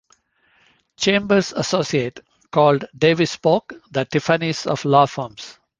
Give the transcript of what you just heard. "Chambers Associate" called Davis Polk the "Tiffany's of law firms".